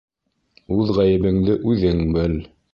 Үҙ ғәйебеңде үҙең бел.